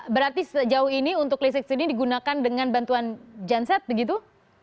berarti sejauh ini untuk listrik sini digunakan dengan bantuan genset begitu